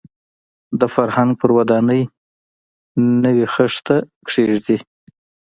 د فرهنګ پر ودانۍ نوې خښته کېږدي.